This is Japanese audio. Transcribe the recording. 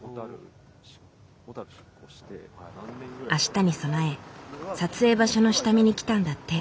あしたに備え撮影場所の下見に来たんだって。